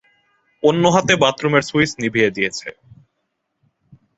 অন্য হাতে বাথরুমের সুইচ নিভিয়ে দিয়েছে।